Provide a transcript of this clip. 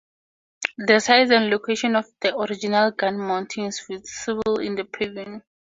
The size and location of the original gun mounting is visible in the paving.